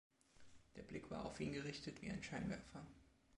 Der Blick war auf ihn gerichtet wie ein Scheinwerfer.